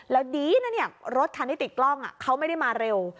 แล้วดีนะเนี่ยรถคันที่ติดกล้องเขาไม่ได้มาเร็ว